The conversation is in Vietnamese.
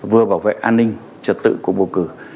vừa bảo vệ an ninh trật tự của bầu cử